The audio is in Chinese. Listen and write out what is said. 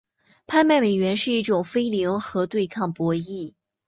拍卖美元是一种非零和对抗博弈。